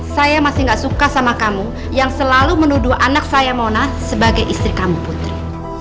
saya masih gak suka sama kamu yang selalu menuduh anak saya mona sebagai istri kamu putri